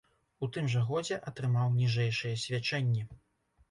У тым жа годзе атрымаў ніжэйшыя свячэнні.